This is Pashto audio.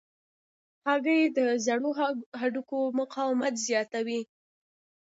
هګۍ د زړو هډوکو مقاومت زیاتوي.